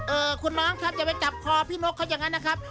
คุณน้องครับอย่าไปจับคอพี่นกเขาอย่างนั้นนะครับ